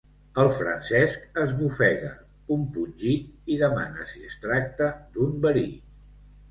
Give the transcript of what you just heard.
El Francesc esbufega, compungit, i demana si es tracta d'un verí.